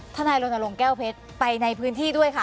นายรณรงค์แก้วเพชรไปในพื้นที่ด้วยค่ะ